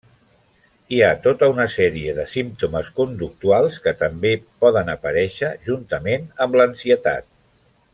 Hi ha tota una sèrie de símptomes conductuals que també poden aparèixer juntament amb l'ansietat.